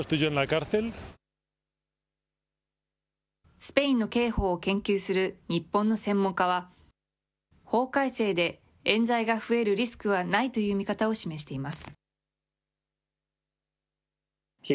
スペインの刑法を研究する日本の専門家は、法改正でえん罪が増えるリスクはないという見方を示しています。